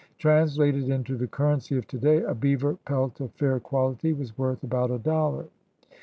Translated into the currency of today a beaver pelt of fair quality was worth about a dollar.